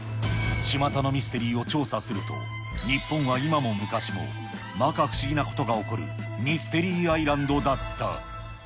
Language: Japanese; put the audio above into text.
ちまたのミステリーを調査すると、日本は今も昔も、まか不思議なことが起こるミステリーアイランドだった。